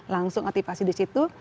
langsung aktifasi di situ